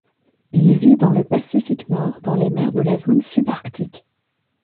Il vit dans le Pacifique nord, dans les mers de la zone subarctique.